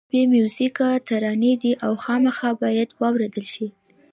دا بې میوزیکه ترانې دي او خامخا باید واورېدل شي.